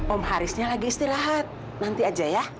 omarisnya lagi istirahat nanti aja ya